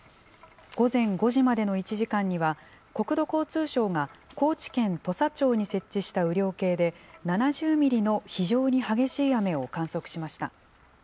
午前５時までの１時間には、国土交通省が、高知県土佐町に設置した雨量計で７０ミリの非常に激しい雨を観測しました。